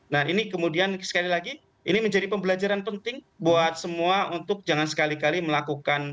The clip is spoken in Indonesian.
nah ini kemudian sekali lagi ini menjadi pembelajaran penting buat semua untuk jangan sekali kali melakukan